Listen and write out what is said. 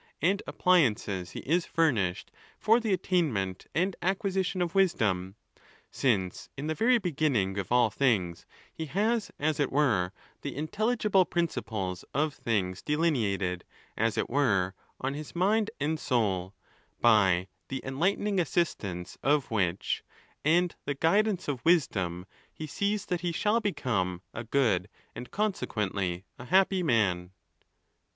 495 and appliances he is furnished for the attainment and acqui sition of wisdom ; since, in the very beginning of all things, he has, as it were, the intelligible principles of things de lineated, as it were, on his mind and soul, by the enlighten ing assistance of which, and the guidance of wisdom, he sees that he shall become a good and consequently a happy man.